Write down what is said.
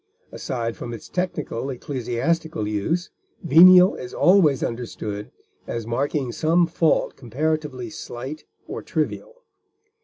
Aside from its technical ecclesiastical use, venial is always understood as marking some fault comparatively slight or trivial.